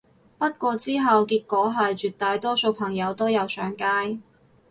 不過之後結果係絕大多數朋友都有上街